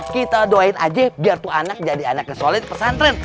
kita doain aja biar tuh anak jadi anaknya solid pesantren